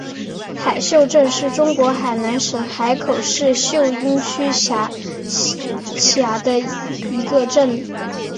海秀镇是中国海南省海口市秀英区下辖的一个镇。